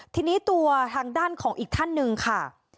ทีนี้ตัวทางด้านของอีกท่านหนึ่งค่ะ